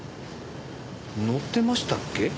乗ってましたっけ？